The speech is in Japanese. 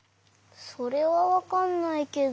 それはわかんないけど。